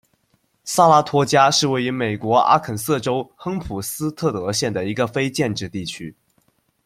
萨拉托加是位于美国阿肯色州亨普斯特德县的一个非建制地区。